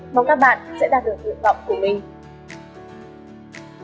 mong các bạn sẽ đạt được nguyện vọng của mình